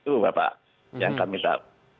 itu bapak yang kami tahu